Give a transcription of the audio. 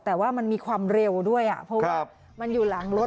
แต่ว่ามันมีความเร็วด้วยอ่ะเพราะว่ามันอยู่หลังรถ